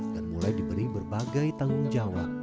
dan mulai diberi berbagai tanggung jawab